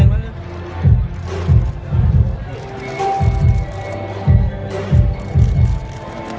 สโลแมคริปราบาล